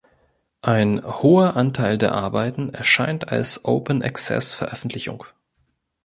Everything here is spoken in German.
Ein hoher Anteil der Arbeiten erscheint als Open-Access-Veröffentlichung.